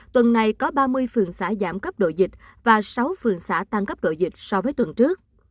tuần này có ba mươi phường xã giảm cấp độ dịch và sáu phường xã tăng cấp độ dịch so với tuần trước